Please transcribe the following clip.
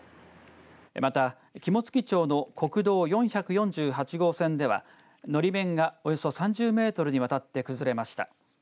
また肝付町の国道４４８号線ではのり面がおよそ３０メートルにわたって崩れました。